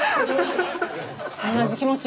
同じ気持ち。